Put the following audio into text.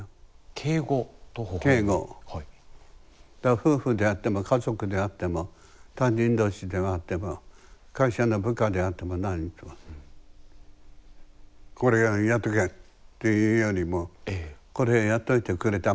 夫婦であっても家族であっても他人同士であっても会社の部下であっても何にしても「これやっとけ」って言うよりも「これやっといてくれ給え」。